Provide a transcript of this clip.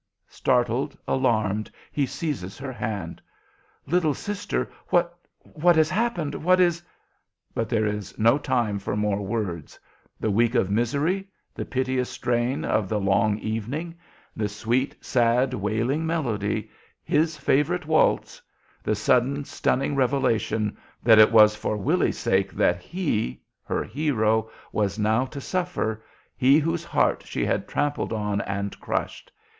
Startled, alarmed, he seizes her hand. "Little sister! What what has happened what is " But there is no time for more words. The week of misery; the piteous strain of the long evening; the sweet, sad, wailing melody, his favorite waltz; the sudden, stunning revelation that it was for Willy's sake that he her hero was now to suffer, he whose heart she had trampled on and crushed!